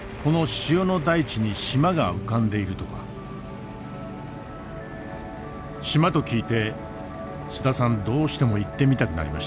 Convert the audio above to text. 島と聞いて須田さんどうしても行ってみたくなりました。